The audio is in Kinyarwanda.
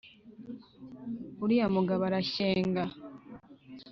uriya mugabo arashyenga